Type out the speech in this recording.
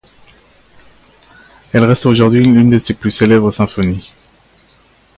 Elle reste aujourd'hui l'une de ses plus célèbres symphonies.